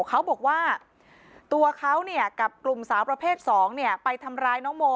เขาบอกว่าตัวเขากับกลุ่มสาวประเภท๒ไปทำร้ายน้องโม